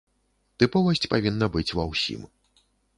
Тыповасць павінна быць ва ўсім.